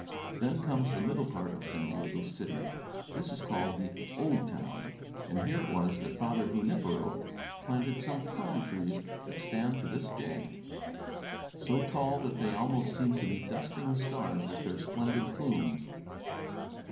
Then comes the middle part of San Diego City. This is called "the old town," and here it was that Father Junipero planted some palm trees that stand to this day so tall that they almost seem to be dusting the stars with their splendid plumes.